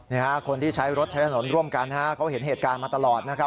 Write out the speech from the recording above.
คนที่ใช้รถใช้ถนนร่วมกันฮะเขาเห็นเหตุการณ์มาตลอดนะครับ